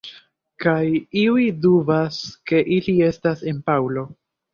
Kaj iuj dubas ke ili estas de Paŭlo.